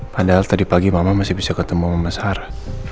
padahal tadi pagi mama masih bisa ketemu mama sara